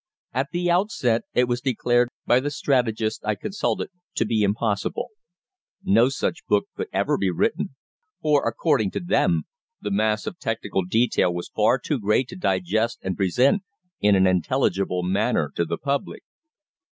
At the outset it was declared by the strategists I consulted to be impossible. No such book could ever be written, for, according to them, the mass of technical detail was far too great to digest and present in an intelligible manner to the public.